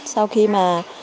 sau khi mà